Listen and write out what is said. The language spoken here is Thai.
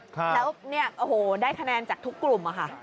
แล้วเนี่ยโอ้โหได้คะแนนจากทุกกลุ่มอะค่ะ